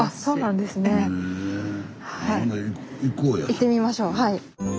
行ってみましょうはい。